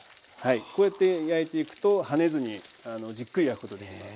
こうやって焼いていくと跳ねずにじっくり焼くことできます。